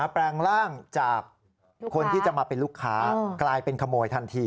แปลงร่างจากคนที่จะมาเป็นลูกค้ากลายเป็นขโมยทันที